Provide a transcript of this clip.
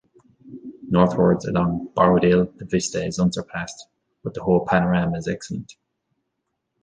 Northwards along Borrowdale the vista is unsurpassed, but the whole panorama is excellent.